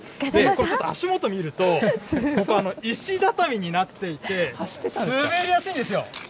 ちょっと足元見ると、ここ、石畳になっていて、滑りやすいんですよ。